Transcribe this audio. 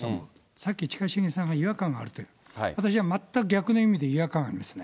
さっき近重さんが違和感があると、私は全く逆の意味で違和感ありますね。